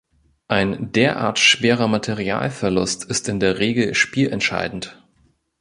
Ein derart schwerer Materialverlust ist in der Regel spielentscheidend.